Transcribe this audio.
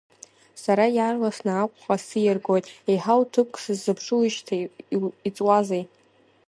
Сара иаарласны Аҟәаҟа сиаргоит, еиҳау ҭыԥк сзыԥшуижьҭеи иҵуазеи.